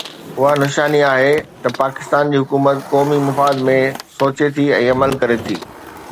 اها نشاني آهي ته پاڪستان جي حڪومت قومي مفاد ۾ سوچي ٿي ۽ عمل ڪري ٿي.